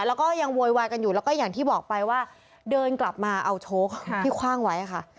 แล้วก็ยังโวยวายกันอยู่แล้วก็อย่างที่บอกไปว่าเดินกลับมาเอาโชคที่คว่างไว้ค่ะ